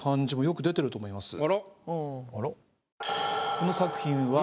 この作品は。